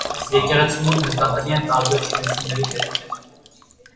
Եկեղեցու մոտ նկատելի են տարբեր շինությունների հետքեր։